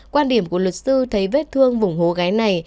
quan điểm của luật sư thấy vết thương vùng hố ghé này